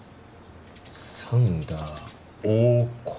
サンダー大河内。